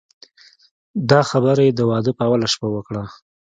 دا خبره یې د واده په اوله شپه وکړه.